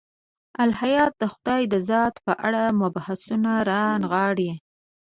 الهیات د خدای د ذات په اړه مبحثونه رانغاړي.